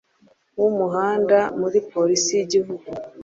w Umuhanda muri Polisi y Igihugu